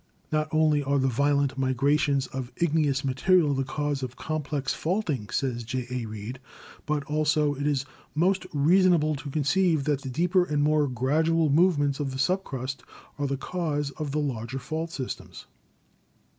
"Not only are the violent migrations of igneous material the cause of complex fault ing/' says J. A. Reid, "but also it is most reasonable to conceive that the deeper and more gradual movements of the subcrust are the cause of the larger fault systems.